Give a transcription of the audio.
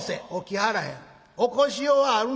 「起こしようがあるねん。